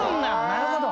なるほど。